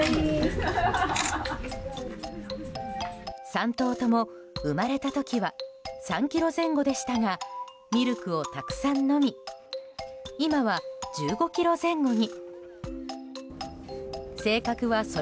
３頭とも生まれた時は３ｋｇ前後でしたがミルクをたくさん飲み今は１５ｋｇ前後に。